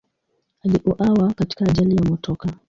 Aliuawa katika ajali ya motokaa.